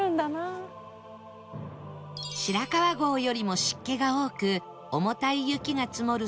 白川郷よりも湿気が多く重たい雪が積もる